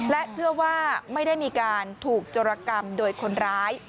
และเชื่อว่าไม่ได้มีการถูกจรกรรมโดยคนร้าย